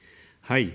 はい。